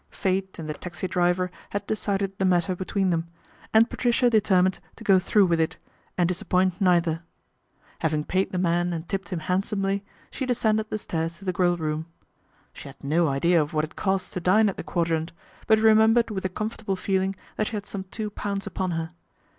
Fate and the taxi driver had decided the matter between them, and Patricia determined to go through with it and dis ADVENTURE AT THE QUADRANT 31 appoint neither. Having paid the man and tipped him handsomely, she descended the stairs to the Grill room. She had no idea of what it cost to dine at the Quadrant ; but remembered with a comfortable feeling that she had some two pounds upon her.